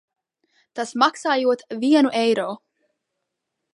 Tas maks?jot vienu eiro.